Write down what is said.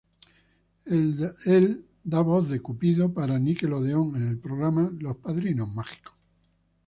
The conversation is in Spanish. Él da voz de Cupido para Nickelodeon en el programa Los Padrinos Mágicos.